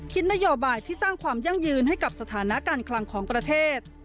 นโยบายที่สร้างความยั่งยืนให้กับสถานะการคลังของประเทศ